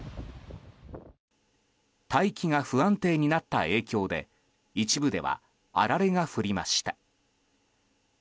大気が不安定になった影響で一部では、あられが降りました。